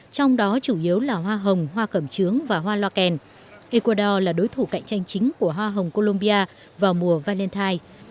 trong đó chủ yếu là hoa hồng hoa cẩm trướng và hoa loaken ecuador là đối thủ cạnh tranh chính của hoa hồng colombia vào mùa valentine